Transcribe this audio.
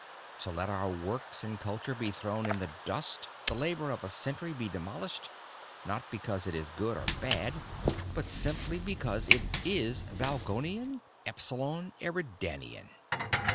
To let our works and culture be thrown in the dust, the labor of a century be demolished, not because it is good or bad but simply because it is Valgolian? Epsilon Eridanian!